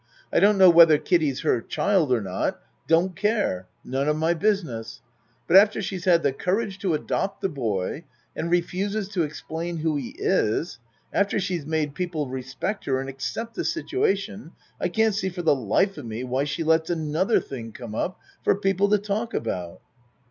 I don't know whether Kiddie's her child or not don't care none of my business but after she's had the courage to adopt the boy, and refuses to explain who he is after she's made people respect her and accept the situation I can't see for the life of me, why she lets another thing come up for people to talk about.